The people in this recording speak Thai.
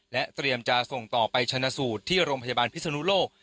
เตรียมจะส่งต่อไปชนะสูตรที่โรงพยาบาลพิศนุโลก